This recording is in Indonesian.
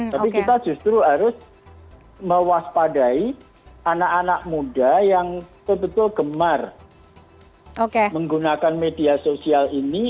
tapi kita justru harus mewaspadai anak anak muda yang betul betul gemar menggunakan media sosial ini